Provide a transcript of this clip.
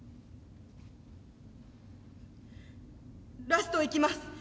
ラストいきます。